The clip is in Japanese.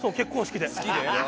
好きで？